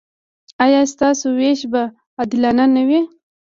ایا ستاسو ویش به عادلانه نه وي؟